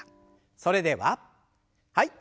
それでははい。